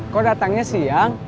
kok datangnya siang